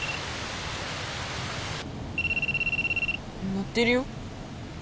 鳴ってるよ？